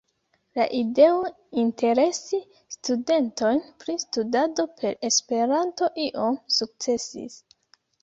La ideo interesi studentojn pri studado per Esperanto iom sukcesis.